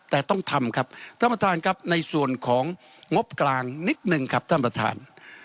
แต่ต้องทำครับท่านประธานครับในส่วนของงบกลางนิดนึงครับท่านประธาน